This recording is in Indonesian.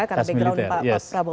karena background pak prabowo ya